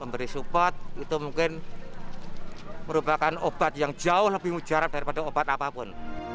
berisupat itu mungkin merupakan obat yang jauh lebih mujarab daripada obat apapun